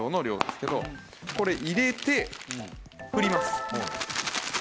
これ入れて振ります。